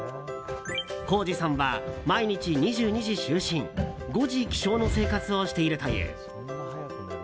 こーじさんは毎日２２時就寝５時起床の生活をしているという。